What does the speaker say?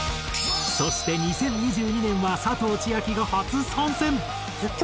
そして２０２２年は佐藤千亜妃が初参戦！